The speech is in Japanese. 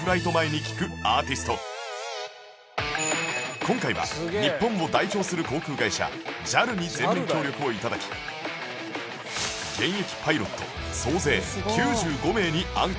今回は日本を代表する航空会社 ＪＡＬ に全面協力を頂き現役パイロット総勢９５名にアンケートを実施